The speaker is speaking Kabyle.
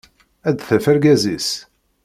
Ad d-taf argaz-is.